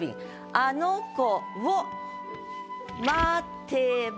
「あの子を待てば」。